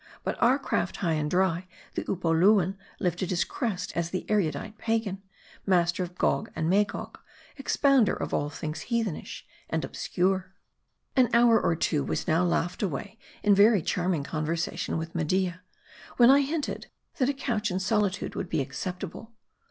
But our craft high and dry, the Upoluan lifted his crest as the erudite pagan ; master of Gog and Magog, expounder of all things heathenish and obscure. An hour or two was now laughed away in very charm ing conversation with Media ; when I hinted, that a couch and solitude would be acceptable.